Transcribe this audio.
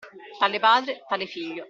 Tale padre, tale figlio.